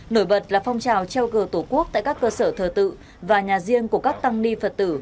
nổi bật là phong trào treo cờ tổ quốc tại các cơ sở thờ tự và nhà riêng của các tăng ni phật tử